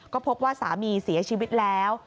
ก็พบว่าสามีเสียชีวิตแล้ว